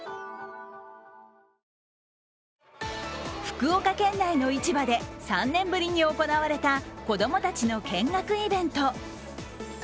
福岡県内の市場で３年ぶりに行われた子供たちの見学イベント。